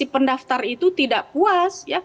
pendaftar itu tidak puas